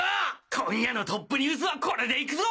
今夜のトップニュースはこれでいくぞ！